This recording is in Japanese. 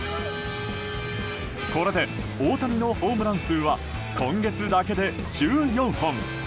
これで大谷のホームラン数は今月だけで１４本。